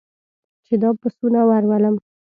چې دا پسونه ور ولم.